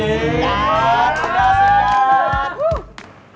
udah sikat aja deh